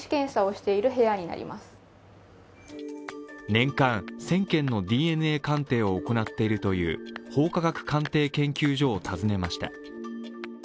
年間１０００件のＤＮＡ鑑定を行っているという法科学鑑定研究所を訪ねました。